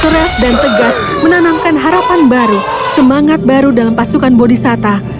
yang keras dan tegas menanamkan harapan baru semangat baru dalam pasukan bodhisatta